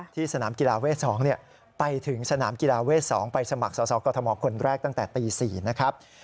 สนามกีฬาเวท๒ไปถึงสนามกีฬาเวท๒ไปสมัครสอบกรทมคนแรกตั้งแต่ตี๔นะครับ